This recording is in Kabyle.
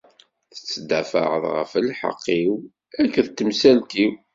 Tettdafaɛeḍ ɣef lḥeqq-iw akked temsalt-iw.